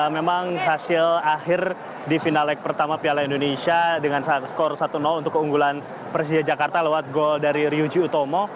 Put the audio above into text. memang hasil akhir di final leg pertama piala indonesia dengan skor satu untuk keunggulan persija jakarta lewat gol dari ryuji utomo